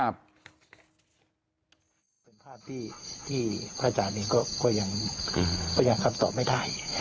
เป็นความที่พระจานก็ยังคำสอบไม่ได้